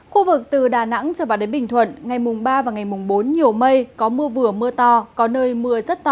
khu vực từ đà nẵng trở vào đến bình thuận ngày mùng ba và ngày mùng bốn nhiều mây có mưa vừa mưa to có nơi mưa rất to